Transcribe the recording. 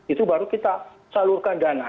itu baru kita salurkan dana